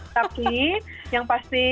tapi yang pasti